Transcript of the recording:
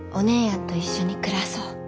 んと一緒に暮らそう。